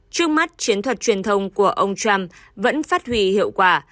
trước mắt chiến thuật truyền thông của ông trump vẫn phát huy hiệu quả